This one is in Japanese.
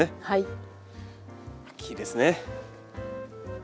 はい。